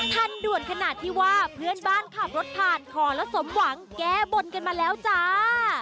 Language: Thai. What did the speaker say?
ทันด่วนขนาดที่ว่าเพื่อนบ้านขับรถผ่านขอแล้วสมหวังแก้บนกันมาแล้วจ้า